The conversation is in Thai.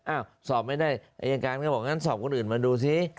สอบไม่ได้อายการก็บอกงั้นสอบคนอื่นมาดูซิ